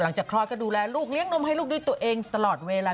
คลอดก็ดูแลลูกเลี้ยงนมให้ลูกด้วยตัวเองตลอดเวลา